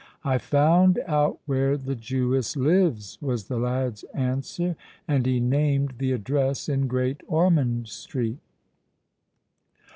"I found out where the Jewess lives," was the lad's answer; and he named the address in Great Ormond Street.